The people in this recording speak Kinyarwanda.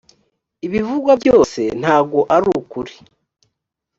ibivugwa byose ntago arukuri.